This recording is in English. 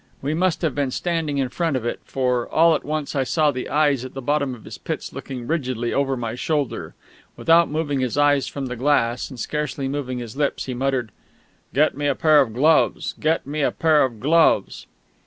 We must have been standing in front of it, for all at once I saw the eyes at the bottom of his pits looking rigidly over my shoulder. Without moving his eyes from the glass, and scarcely moving his lips, he muttered: "Get me a pair of gloves, get me a pair of gloves."